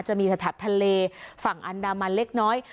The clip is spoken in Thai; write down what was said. จะมีแถบทะเลฝั่งอันดามันเล็กน้อย